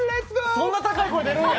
そんな高い声、出るんや！